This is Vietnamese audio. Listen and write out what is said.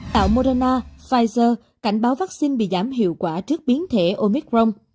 tạo morana pfizer cảnh báo vaccine bị giảm hiệu quả trước biến thể omicron